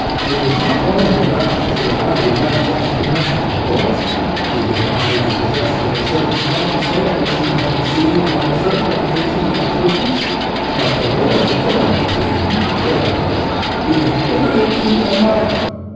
It was not only that, to revive his unjust pretensions to Dörtje, he denied the possession of a certain microscope which he had received on a certain occasion as a quittance; but the more to torment him, Leuwenhock, he had given it to another.